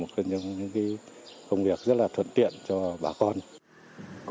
có những công tác nghiệp vụ